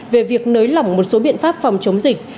về việc nới lỏng một số biện pháp phòng chống dịch